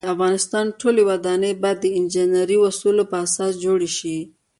د افغانستان ټولی ودانۍ باید د انجنيري اوصولو په اساس جوړې شی